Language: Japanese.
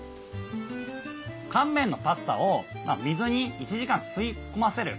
乾麺のパスタを水に１時間吸い込ませる。